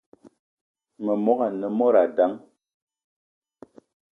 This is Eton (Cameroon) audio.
Memogo ane mod dang